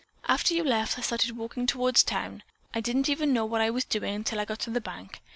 After you left I started walking to town. I didn't even know I was doing it till I got to the bank.